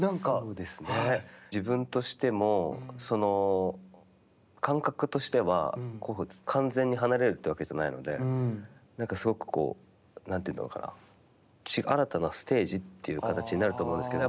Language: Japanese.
自分としても感覚としては、完全に離れるというわけじゃないのでなんかすごくこう、なんていうのかな、新たなステージっていう形になると思うんですけど。